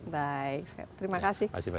baik terima kasih